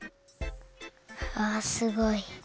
あすごい。